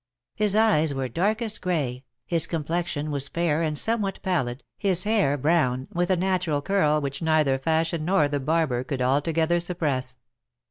His eyes were darkest grey, his complexion was fair and somewhat pallid, his hair brown, with a natural curl which neither fashion nor the barber could altogether suppress.